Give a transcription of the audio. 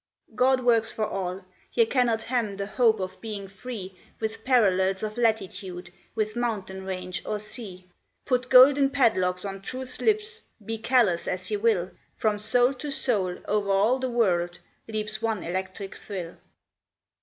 God works for all. Ye cannot hem the hope of being free With parallels of latitude, with mountain range or sea. Put golden padlocks on Truth's lips, be callous as ye will, From soul to soul o'er all the world, leaps one electric thrill.